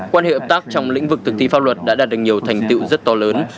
quan hệ hợp tác trong lĩnh vực thực thi pháp luật đã đạt được nhiều thành tiệu rất to lớn